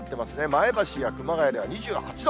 前橋や熊谷では２８度。